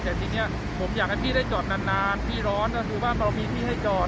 แต่ทีนี้ผมอยากให้พี่ได้จอดนานที่ร้อนก็คือบ้านเรามีที่ให้จอด